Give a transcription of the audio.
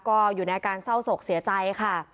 ก็อยู่ในอาการเศร้าศกเสียใจค่ะ